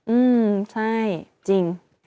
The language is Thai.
อืมใช่จริง